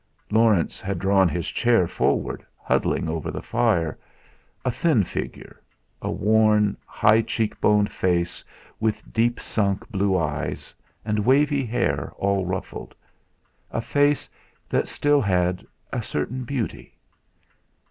Laurence had drawn his chair forward, huddling over the fire a thin figure, a worn, high cheekboned face with deep sunk blue eyes, and wavy hair all ruffled, a face that still had a certain beauty.